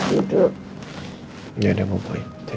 kita hadapin sama sama semuanya ya